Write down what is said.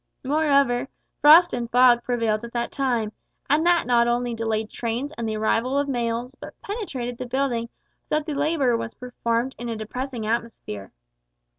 Moreover, frost and fog prevailed at the time, and that not only delayed trains and the arrival of mails, but penetrated the building so that the labour was performed in a depressing atmosphere.